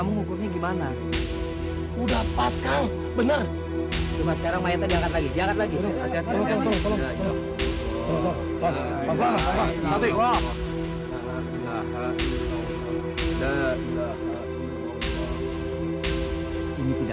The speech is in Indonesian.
begini lihat akibatnya